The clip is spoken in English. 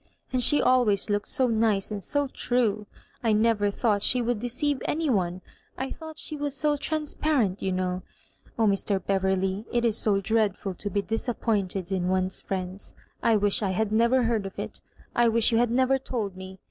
And she always looked so nice and so true I I never thought she would deceive any one. ' I thought she was so transpa rent, you know. Oh, Mr. Beverley, it is so dread Aid to be disappointed in one's friends! I wish I had never heard of it — ^I wish you had never told me.